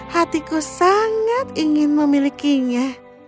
hatiku sangat ingin memilikinya